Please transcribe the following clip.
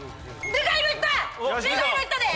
でかいのいったで！